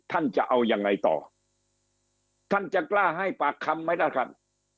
ท่านจะเอายังไงต่อท่านจะกล้าให้ปากคำไหมล่ะครับ